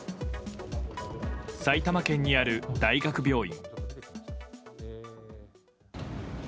埼玉県にある大学病院。